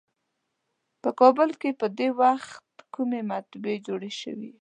په کابل کې په دې وخت کومې مطبعې جوړې شوې.